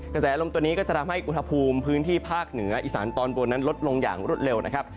กระแสลมตัวนี้ก็จะทำให้อุณหภูมิพื้นที่ภาคเหนืออีสานตอนบนนั้นลดลงอย่างรวดเร็วนะครับ